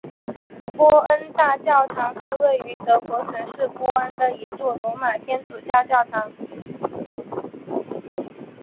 波恩大教堂是位于德国城市波恩的一座罗马天主教教堂。